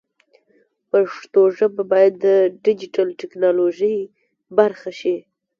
پښتو ژبه باید د ډیجیټل ټکنالوژۍ برخه شي.